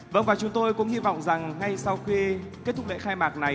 vâng và chúng tôi cũng hy vọng rằng ngay sau khi kết thúc lễ khai mạc này